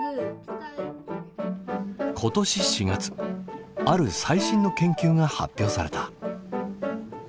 今年４月ある最新の研究が発表された。